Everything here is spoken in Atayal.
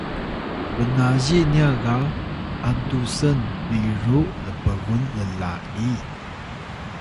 bnaziy nya ga “Antusn biru lpgun lla’i”